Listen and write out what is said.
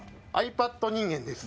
ｉＰａｄ人間です。